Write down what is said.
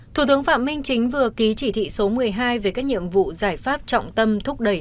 thủ tướng phạm minh chính vừa ký chỉ thị số một mươi hai về các nhiệm vụ giải pháp trọng tâm thúc đẩy